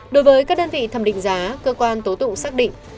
đối với các đơn vị thẩm định giá cơ quan tố tụng xác định